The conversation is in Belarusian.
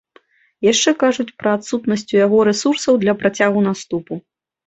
Яшчэ кажуць пра адсутнасць у яго рэсурсаў для працягу наступу.